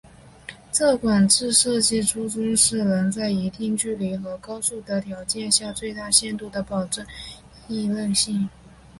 这款字设计初衷是能在一定距离和高速的条件下最大限度地保证易认性。